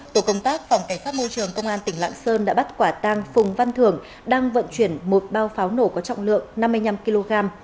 tổ công tác phòng cảnh sát môi trường công an tỉnh lạng sơn đã bắt quả tang phùng văn thưởng đang vận chuyển một bao pháo nổ có trọng lượng năm mươi năm kg